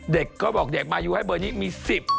ด็กเค้าบอกให้มายูแบถอันนี้มี๑๐